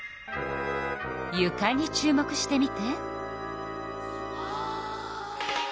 ゆかに注目してみて。